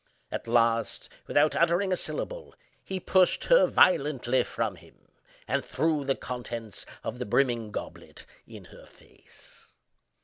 At last, without uttering a syllable, he pushed her violently from him, and threw the contents of the brimming goblet in her face.